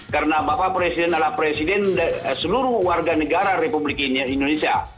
karena bapak presiden adalah presiden seluruh warga negara republik indonesia